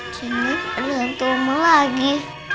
cendek ada hantu umur lagi